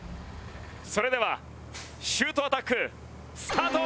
それではシュートアタックスタート！